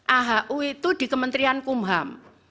ahu itu di kementerian kumham